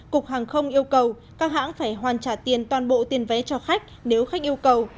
cục hàng không yêu cầu các hãng phải hoàn trả tiền toàn bộ tiền vé cho khách nếu khách yêu cầu